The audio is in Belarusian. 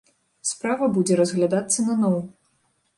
Справа будзе разглядацца наноў.